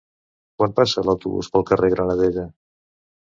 Quan passa l'autobús pel carrer Granadella?